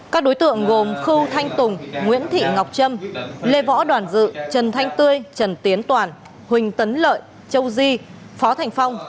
các đối tượng gồm khư thanh tùng nguyễn thị ngọc trâm lê võ đoàn dự trần thanh tươi trần tiến toàn huỳnh tấn lợi châu di phó thành phong